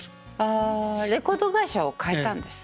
ああレコード会社を替えたんです。